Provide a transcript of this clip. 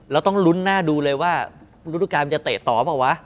ต้องลุ้นหน้าดูเลยว่าฤดูการมันจะเตะต่อเปล่าวะ